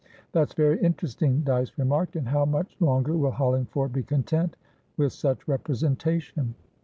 "That's very interesting," Dyce remarked. "And how much longer will Hollingford be content with such representation?"